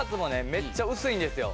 めっちゃ薄いんですよ。